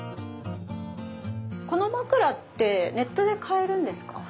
この枕ってネットで買えるんですか？